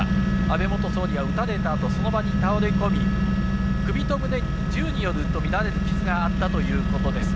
安倍元総理は撃たれたあと、その場に倒れ込み、首と胸に銃によると見られる傷があったということです。